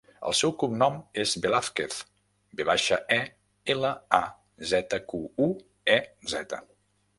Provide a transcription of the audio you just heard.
El seu cognom és Velazquez: ve baixa, e, ela, a, zeta, cu, u, e, zeta.